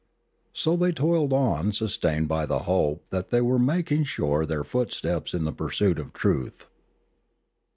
So they toiled on sustained by the hope that they were making sure their footsteps in the pursuit of truth.